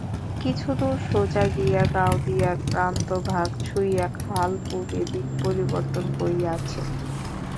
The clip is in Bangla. কিছুদূর সোজা গিয়া গাওদিয়ার প্রান্তভাগ ছুইয়া খাল পুবে দিক পরিবর্তন করিয়াছে।